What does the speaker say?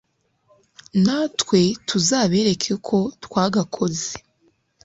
natwe tuzabereke ko twagakoze